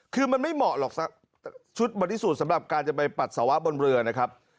คือมันไม่เหมาะหรอกชุดบริสุทธิ์สำหรับการจะไปปัสสาวะบนเรือนะครับ